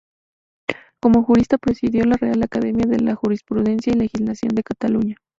Como jurista presidió la Real Academia de Jurisprudencia y Legislación de Cataluña.